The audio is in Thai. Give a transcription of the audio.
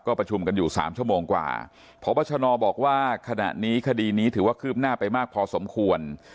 ประชุมกันอยู่สามชั่วโมงกว่าพบชนบอกว่าขณะนี้คดีนี้ถือว่าคืบหน้าไปมากพอสมควร